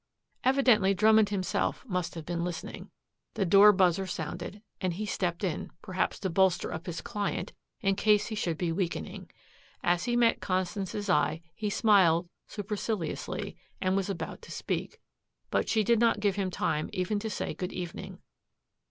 Evidently Drummond himself must have been listening. The door buzzer sounded and he stepped in, perhaps to bolster up his client in case he should be weakening. As he met Constance's eye he smiled superciliously and was about to speak. But she did not give him time even to say good evening.